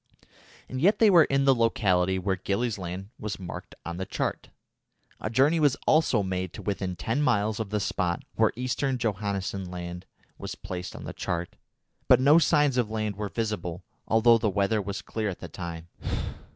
And yet they were in the locality where Gillies Land was marked on the chart. A journey was also made to within ten miles of the spot where Eastern Johannessen Land was placed on the chart, but no signs of land were visible, although the weather was clear at the time.